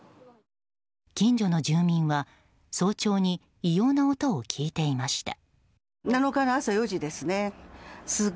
近所の住民は早朝に異様な音を聞いていました。